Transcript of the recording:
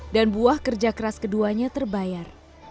dan buah kerja keras keduanya terbayar